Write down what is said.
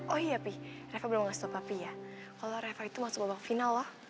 oh iya pi reva belum ngasih tau papi ya kalau reva itu masuk babak final lah